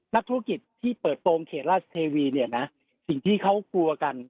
นักธุรกิจที่เปิดโปรงเขตราชเทวีเนี่ยนะสิ่งที่เขากลัวกัน